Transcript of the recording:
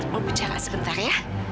mau bicara sebentar ya